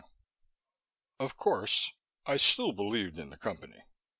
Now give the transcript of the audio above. III Of course I still believed in the Company.